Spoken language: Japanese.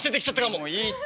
もういいって。